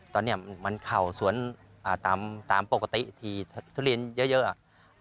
ตอนนี้มันเข้าสวนตามปกติที่ทุเรียนเยอะอะ